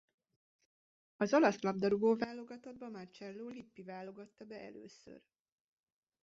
Az olasz labdarúgó-válogatottba Marcello Lippi válogatta be először.